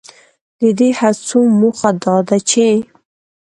ددې هڅو موخه دا ده چې